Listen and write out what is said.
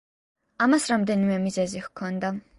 ამას რამდენიმე მიზეზი ჰქონდა.